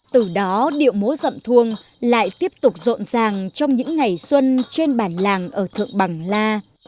từ đó điệu múa dậm thuông lại tiếp tục rộn ràng trong những ngày xuân trên bản làng ở thượng bằng la